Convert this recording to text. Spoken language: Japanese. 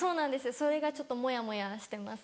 それがちょっとモヤモヤしてます。